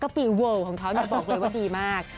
ปีเวิลของเขาบอกเลยว่าดีมาก